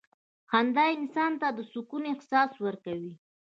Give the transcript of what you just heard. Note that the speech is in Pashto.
• خندا انسان ته د سکون احساس ورکوي.